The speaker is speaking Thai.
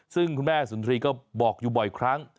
ซึ่งคุณแม่สุนทรีย์ก็บอกอยู่บ่อยครั้ง